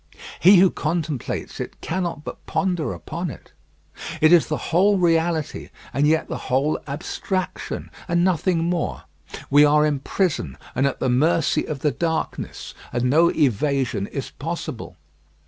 He who contemplates it cannot but ponder upon it. It is the whole reality and yet the whole abstraction. And nothing more. We are in prison and at the mercy of the darkness, and no evasion is possible.